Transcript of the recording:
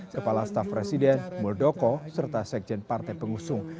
kepala staf presiden muldoko serta sekjen partai pengusung